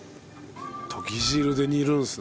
とぎ汁で煮るんですね。